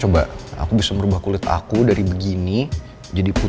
mungkin apa sih kamu masih kepikiran soal omongannya dinda